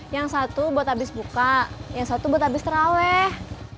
yang satu buat habis buka yang satu buat habis terawih